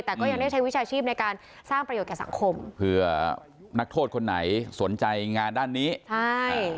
แต่ก็ยังได้ใช้วิชาชีพในการสร้างประโยชนแก่สังคมเผื่อนักโทษคนไหนสนใจงานด้านนี้ใช่